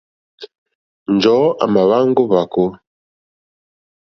Njɔ̀ɔ́ à mà hwáŋgá ó hwàkó.